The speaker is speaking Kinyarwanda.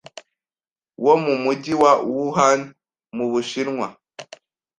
wo mu mujyi wa Wuhan mu Bushinwa,